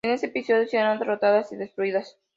En ese episodio, serán derrotadas y destruidas.